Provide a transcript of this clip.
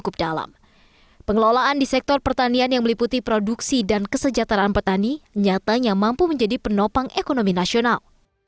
pengelolaan di sektor pertanian yang meliputi produksi dan kesejahteraan petani nyatanya mampu menjadi penopang ekonomi nasional